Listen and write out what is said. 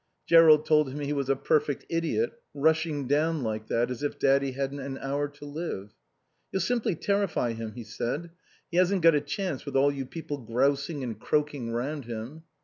Jerrold told him he was a perfect idiot, rushing down like that, as if Daddy hadn't an hour to live. "You'll simply terrify him," he said. "He hasn't got a chance with all you people grousing and croaking round him."